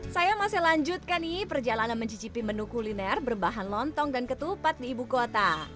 saya masih lanjutkan nih perjalanan mencicipi menu kuliner berbahan lontong dan ketupat di ibu kota